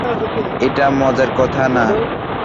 এটা মজার কথা না।